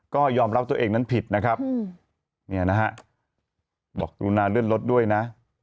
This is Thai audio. ก็ยอมรับตัวเองนั้นผิดนะครับเนี่ยนะฮะบอกกรุณาเลื่อนรถด้วยนะ